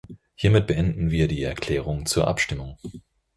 Hiermit beenden wir die Erklärungen zur Abstimmung.